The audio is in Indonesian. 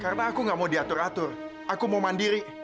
karena aku gak mau diatur atur aku mau mandiri